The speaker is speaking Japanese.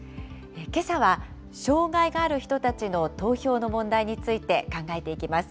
けさは、障害がある人たちの投票の問題について考えていきます。